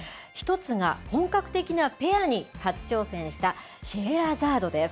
１つが、本格的なペアに初挑戦した、シェエラザードです。